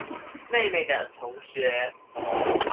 妹妹的同學